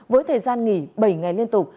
với thời gian nghỉ bảy ngày liên tục